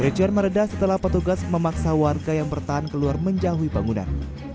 ricuan meredah setelah petugas memaksa warga yang bertahan keluar menjauhi bangunan